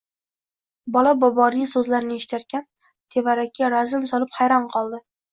Bola boboning soʻzlarini eshitarkan tevarakka razm solib hayron qoldi.